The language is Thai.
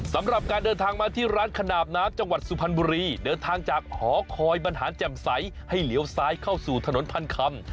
สำหรับการเดินทางมาที่ร้านขนาบน้ำจังหวัดสุพรรณบุรีเดินทางจากหอคอยบรรหารแจ่มใสให้เหลียวซ้ายเข้าสู่ถนนพันคำ